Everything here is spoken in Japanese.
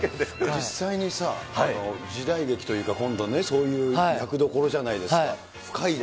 実際にさ、時代劇というか、今度ね、そういう役どころじゃないですか。